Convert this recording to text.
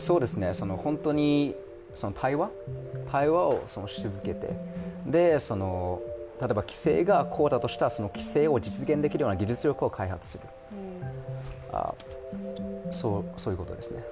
本当に対話をし続けて例えば規制がこうだとしたら規制を実現できる技術力を開発するということですね。